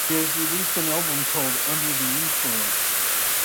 He has released an album called "Under the Influence".